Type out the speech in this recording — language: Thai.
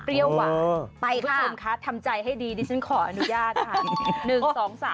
คุณผู้ชมคะทำใจให้ดีดิฉันขออนุญาตค่ะ